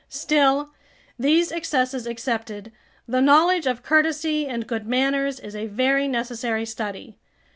Still, these excesses excepted, the knowledge of courtesy and good manners is a very necessary study.